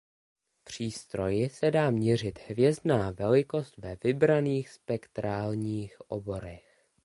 Přístroji se dá měřit hvězdná velikost ve vybraných spektrálních oborech.